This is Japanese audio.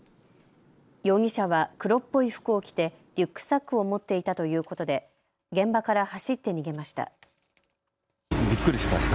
容疑者は黒っぽい服を着てリュックサックを持っていたということで現場から走って逃げました。